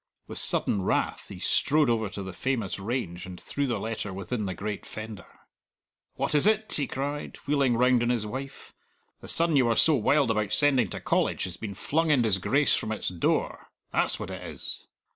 With sudden wrath he strode over to the famous range and threw the letter within the great fender. "What is it?" he cried, wheeling round on his wife. "The son you were so wild about sending to College has been flung in disgrace from its door! That's what it is!"